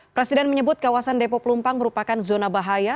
presiden menyebut kawasan depo pelumpang merupakan zona bahaya